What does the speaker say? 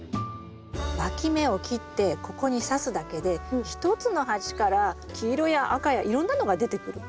わき芽を切ってここにさすだけで１つの鉢から黄色や赤やいろんなのが出てくる。